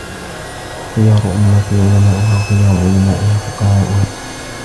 خِيَارُ أُمَّتِي عُلَمَاؤُهَا وَخِيَارُ عُلَمَائِهَا فُقَهَاؤُهَا